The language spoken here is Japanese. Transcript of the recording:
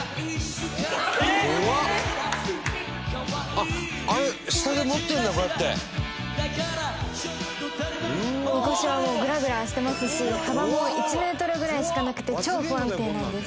「あっあれ下で持ってるんだこうやって」「神輿はグラグラしてますし幅も１メートルぐらいしかなくて超不安定なんです」